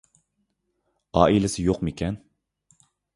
ئائىلىسى يوقمىكەن؟